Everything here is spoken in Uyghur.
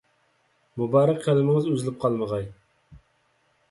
مۇبارەك قەلىمىڭىز ئۈزۈلۈپ قالمىغاي.